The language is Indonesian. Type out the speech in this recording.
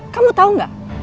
kamu tau gak